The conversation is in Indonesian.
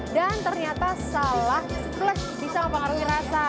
dan ternyata salah splash bisa mempengaruhi rasa